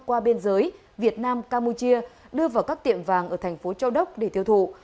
qua biên giới việt nam campuchia đưa vào các tiệm vàng ở thành phố châu đốc để thiêu thụ